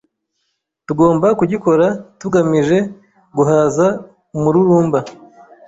tugomba kugikora tutagamije guhaza umururumba,